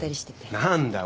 何だ。